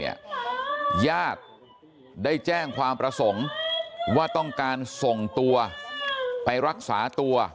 ญาติได้แจ้งความประสงค์ว่าต้องการส่งตัวไปรักษาตัว